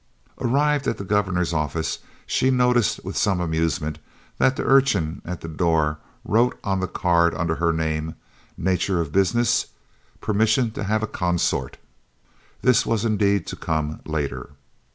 Arrived at the Governor's office, she noticed with some amusement that the urchin at the door wrote on the card, under her name, "Nature of business: permission to have a consort." (This was indeed to come later!)